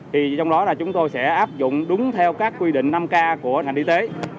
trong đó chúng tôi sẽ áp dụng đúng theo các quy định năm k của hành lý tế